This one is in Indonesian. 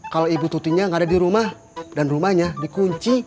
kalau ibu tuti nya gak ada di rumah dan rumahnya dikunci